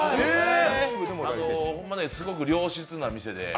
すごく良質な店で。